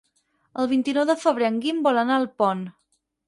El vint-i-nou de febrer en Guim vol anar a Alpont.